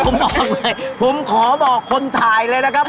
ผมบอกเลยผมขอบอกคนถ่ายเลยนะครับ